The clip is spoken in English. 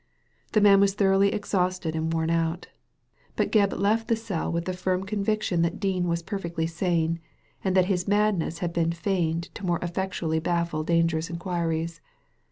The man was thoroughly exhausted and worn out ; but Gebb left the cell with the firm con viction that Dean was perfectly sane, and that his madness had been feigned to more effectually baffle dangerous inquiries.